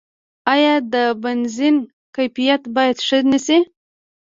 آیا د بنزین کیفیت باید ښه نشي؟